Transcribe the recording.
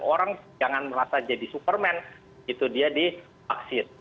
orang jangan merasa jadi superman gitu dia divaksin